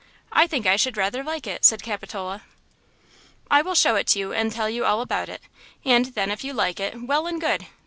I think I should rather like it," said Capitola. "I will show it to you and tell you about it, and then if you like it, well and good.